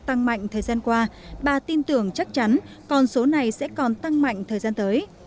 tăng mạnh thời gian qua bà tin tưởng chắc chắn con số này sẽ còn tăng mạnh thời gian tới